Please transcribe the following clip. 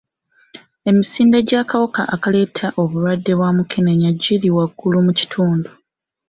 Emisinde gy'akawuka akaleeta obulwadde bwa mukenenya giri waggulu mu kitundu.